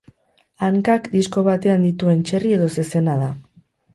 Hankak disko batean dituen txerri edo zezena da.